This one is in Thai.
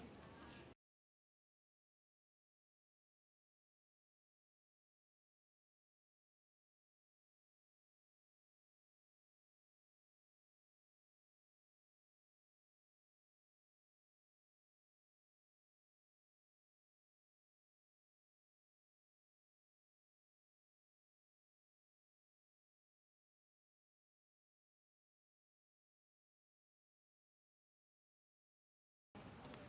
สวัสดีครับทุกคน